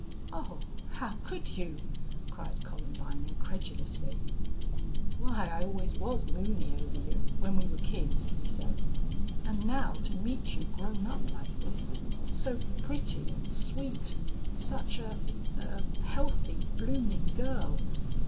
"Oh, how could you!" cried Columbine, incredulously. "Why, I always was moony over you when we were kids," he said. "And now to meet you grown up like this so pretty and sweet such a a healthy, blooming girl....